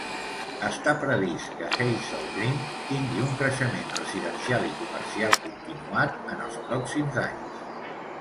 Està previst que Hazel Green tingui un creixement residencial i comercial continuat en els pròxims anys.